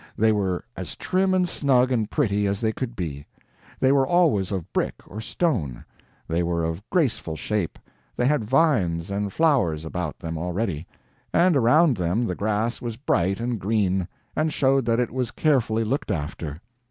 They were as trim and snug and pretty as they could be. They were always of brick or stone; they were of graceful shape, they had vines and flowers about them already, and around them the grass was bright and green, and showed that it was carefully looked after.